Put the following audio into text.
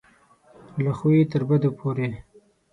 له ښو یې تر بدو پورې.